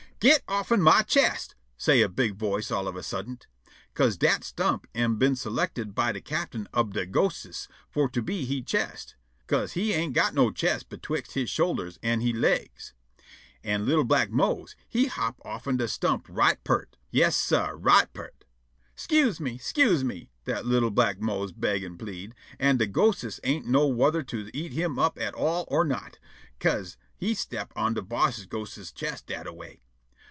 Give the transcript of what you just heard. "Git offen my chest!" say' a big voice all on a suddent, 'ca'se dat stump am been selected by de captain ob de ghostes for to be he chest, 'ca'se he ain't got no chest betwixt he shoulders an' he legs. An' li'l' black Mose he hop' offen dat stump right peart. Yes, sah; right peart. "'Scuse me! 'Scuse me!" dat li'l' black Mose beg' an' plead', an' de ghostes ain't know whuther to eat him all up or not, 'ca'se he step on de boss ghostes's chest dat a way.